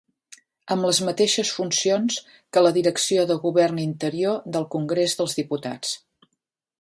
Amb les mateixes funcions que la Direcció de Govern Interior del Congrés dels Diputats.